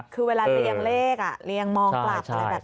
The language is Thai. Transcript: คือเวลาเรียงเลขเรียงมองกลับอะไรแบบ